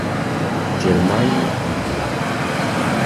Germán Villa